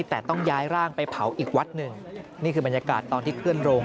แต่ต้องย้ายร่างไปเผาอีกวัดหนึ่งนี่คือบรรยากาศตอนที่เคลื่อนโรง